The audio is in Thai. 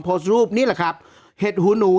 โพสต์รูปนี่แหละครับเห็ดหูหนู